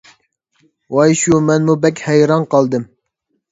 ۋاي شۇ، مەنمۇ بەك ھەيران قالدىم.